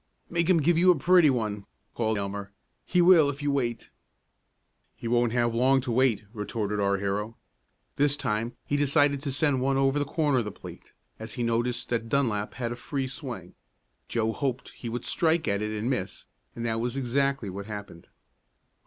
"Make him give you a pretty one!" called Elmer. "He will if you wait." "He won't have long to wait," retorted our hero. This time he decided to send one over the corner of the plate, as he noticed that Dunlap had a free swing. Joe hoped he would strike at it and miss, and that was exactly what happened.